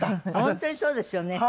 本当にそうですよね。